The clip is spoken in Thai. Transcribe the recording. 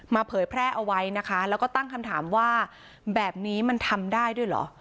เผยแพร่เอาไว้นะคะแล้วก็ตั้งคำถามว่าแบบนี้มันทำได้ด้วยเหรอ